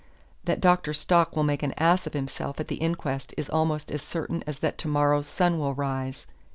That Dr. Stock will make an ass of himself at the inquest is almost as certain as that to morrow's sun will rise.